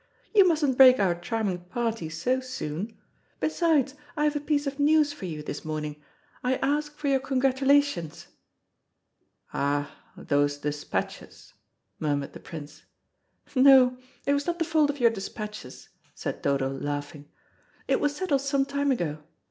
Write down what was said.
"You mustn't break up our charming party so soon. Besides, I have a piece of news for you this morning. I ask for your congratulations." "Ah, those despatches," murmured the Prince. "No, it was not the fault of your despatches," said Dodo, laughing. "It was settled some time ago.